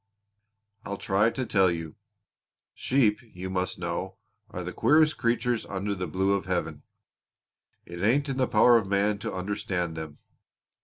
"I'll try to tell you. Sheep, you must know, are the queerest creatures under the blue of heaven. It ain't in the power of man to understand them.